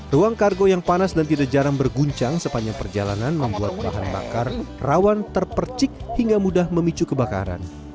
ruang kargo yang panas dan tidak jarang berguncang sepanjang perjalanan membuat bahan bakar rawan terpercik hingga mudah memicu kebakaran